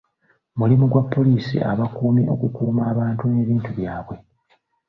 Mulimu gwa poliisi okukuuma abantu n'ebintu byabwe.